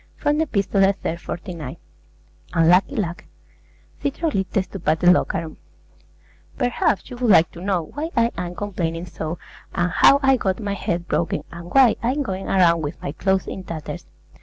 From the 'Epistolae,' iii. 49. UNLUCKY LUCK CHYTROLICTES TO PATELLOCHARON Perhaps you would like to know why I am complaining so, and how I got my head broken, and why I'm going around with my clothes in tatters.